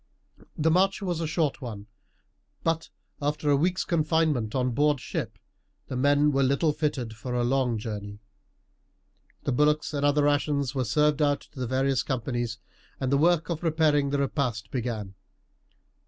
The march was a short one, but after a week's confinement on board ship the men were little fitted for a long journey. The bullocks and other rations were served out to the various companies, and the work of preparing the repast began.